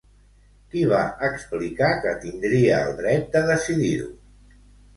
Qui va explicar que tindria el dret de decidir-ho?